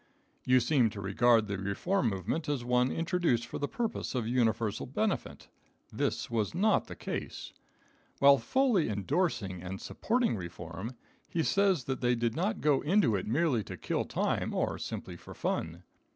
You seem to regard the reform movement as one introduced for the purpose of universal benefit. This was not the case. While fully endorsing and supporting reform, he says that they did not go into it merely to kill time or simply for fun.